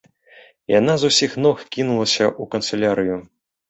Яна з усіх ног кінулася ў канцылярыю.